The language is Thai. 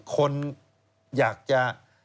คนอยากจะ